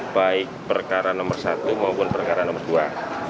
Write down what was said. baik perkara nomor satu maupun perkara nomor dua